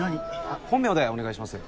あっ本名でお願いします。